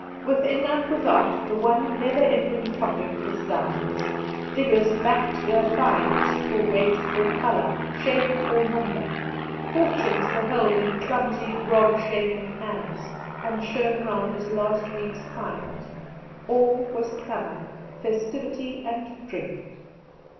Within and without the one never ending topic was diamonds ; diggers backed their finds for weight or colour, shape, or number. Fortunes were held in clumsy, grog shaken hands, and shown round as 'last week's finds'; all was clamour, festivity, and drink.